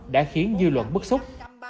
đã khiến dư luận bức xúc